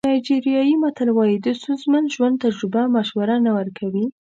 نایجیریایي متل وایي د ستونزمن ژوند تجربه مشوره نه ورکوي.